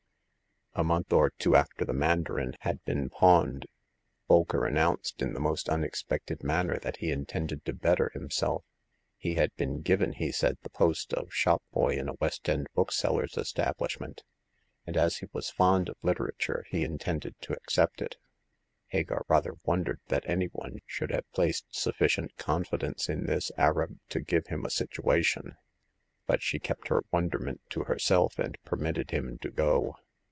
A month or two after the mandarin had been pawned, Bolker announced in the most unex pected manner that he intended to better him self. He had been given, he said, the post of shop boy in a West end bookseller's establish ment ; and as he was fond of literature, he in tended to accept it. Hagar rather wondered that any one should have placed sufficient confidence in this arab to give him a situation ; but she kept her wonderment to herself, and permitted him to go.